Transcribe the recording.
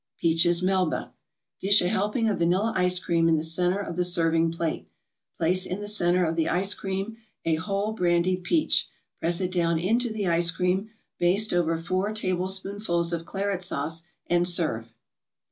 PEACHES MELBA Dish a helping of vanilla ice cream in the centre of the serving plate, place in the centre of the ice cream a whole brandied peach, press it down into the ice cream, baste over four tablespoonfuls of Claret Sauce, and serve.